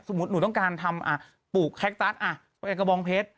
สมมุติหนูต้องการทำปลูกแคล็กตัสเอาแอลกระบองเพชร